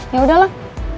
ya udah lah